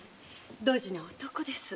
ドジな男です。